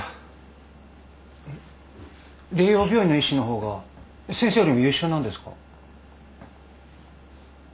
麗洋病院の医師の方が先生よりも優秀なんですか？